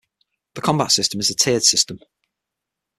The combat system is a tiered system.